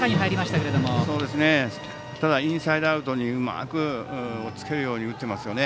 ただ、インサイドアウトにうまくおっつけるように打ってますよね。